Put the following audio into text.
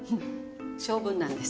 性分なんです。